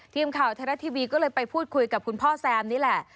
ทีมข่าวไทยรัฐทีวีก็เลยไปพูดคุยกับคุณพ่อแซมนี่แหละ